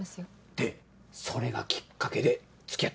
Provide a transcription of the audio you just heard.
でそれがきっかけで付き合ったの？